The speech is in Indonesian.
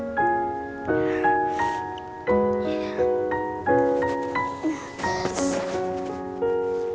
tolong kaburkan doa aku